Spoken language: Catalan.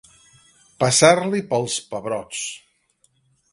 Passar-li pels pebrots.